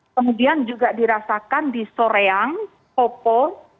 kemudian juga dirasakan di soreang kopo